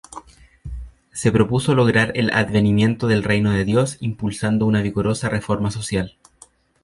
Se propuso lograr el advenimiento del Reino de Dios impulsando una vigorosa reforma social.